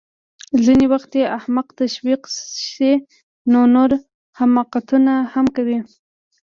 ځینې وخت چې احمق تشویق شي نو نور حماقتونه هم کوي